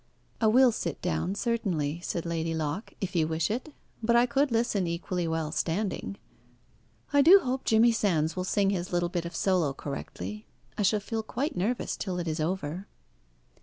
"I will sit down certainly," said Lady Locke, "if you wish it; but I could listen equally well standing. I do hope Jimmy Sands will sing his little bit of solo correctly; I shall feel quite nervous till it is over."